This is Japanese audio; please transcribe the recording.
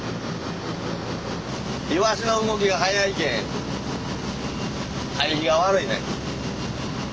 イワシの動きが速いけ入りが悪いねん。